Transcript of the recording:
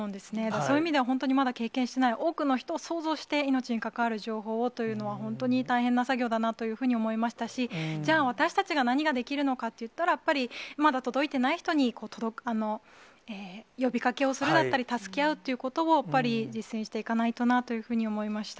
そういう意味では本当に、まだ経験していない多くの人を想像して、命に関わる情報をというのは、本当に大変な作業だなというふうに思いましたし、じゃあ私たちが何ができるのかっていったら、やっぱり、まだ届いていない人に、呼びかけをするだったり、助け合うということをやっぱり実践していかないとなぁというふうに思いました。